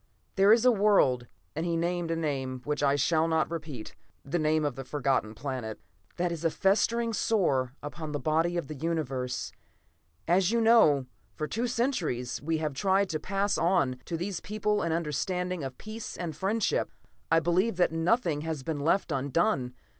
"There is a world" and he named a name which I shall not repeat, the name of the Forgotten Planet "that is a festering sore upon the body of the Universe. As you know, for two centuries we have tried to pass on to these people an understanding of peace and friendship. I believe that nothing has been left undone.